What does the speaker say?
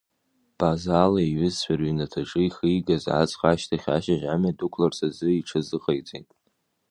Базала иҩызцәа рыҩнаҭаҿы ихигаз аҵх ашьҭахь ашьыжь амҩа дықәларц азы иҽазыҟаиҵеит.